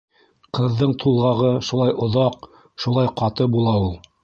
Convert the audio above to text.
Ҡыҙҙың тулғағы шулай оҙаҡ, шулай ҡаты була ул.